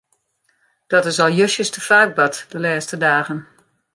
Dat is al justjes te faak bard de lêste dagen.